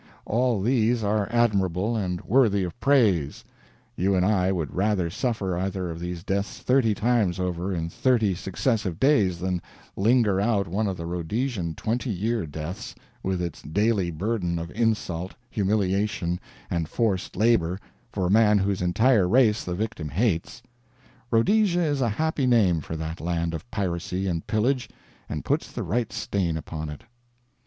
All these are admirable, and worthy of praise; you and I would rather suffer either of these deaths thirty times over in thirty successive days than linger out one of the Rhodesian twenty year deaths, with its daily burden of insult, humiliation, and forced labor for a man whose entire race the victim hates. Rhodesia is a happy name for that land of piracy and pillage, and puts the right stain upon it.